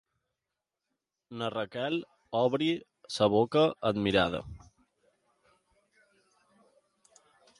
La Raquel obre la boca admirada.